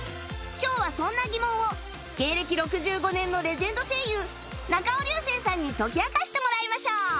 今日はそんな疑問を芸歴６５年のレジェンド声優中尾隆聖さんに解き明かしてもらいましょう